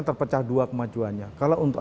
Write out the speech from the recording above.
kita pecah dua kemajuannya kalau untuk